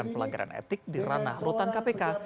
pelanggaran etik di ranah rutan kpk